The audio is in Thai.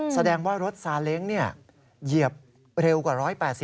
แสดงว่ารถซาเล้งเหยียบเร็วกว่า๑๘๐